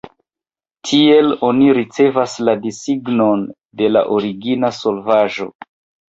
Tiel oni ricevas la disigon de la origina solvaĵo.